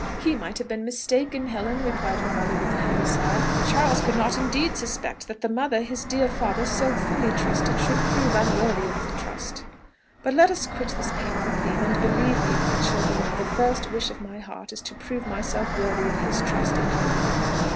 "He might have been mistaken, Helen," replied her mother with a heavy sigh: "Charles could not indeed suspect that the mother his dear father so fully trusted should prove unworthy of the trust. But let us quit this painful theme; and believe me, my children, that the first wish of my heart is to prove myself worthy of his trust and your love."